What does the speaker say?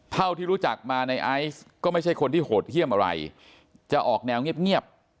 เท่าที่รู้จักมาในไอซ์ก็ไม่ใช่คนที่โหดเยี่ยมอะไรจะออกแนวเงียบ